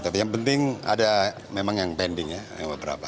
tapi yang penting ada memang yang pending ya yang beberapa